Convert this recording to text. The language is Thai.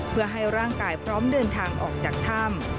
เพื่อให้ร่างกายพร้อมเดินทางออกจากถ้ำ